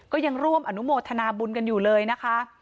ก็ยังร่วมอนุโมทนาบุญกันอยู่เลยนะคะ